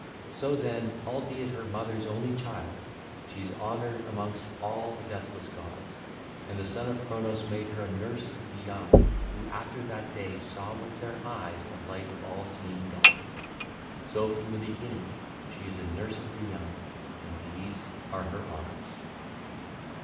So, then. albeit her mother's only child 1617, she is honoured amongst all the deathless gods. And the son of Cronos made her a nurse of the young who after that day saw with their eyes the light of all seeing Dawn. So from the beginning she is a nurse of the young, and these are her honours.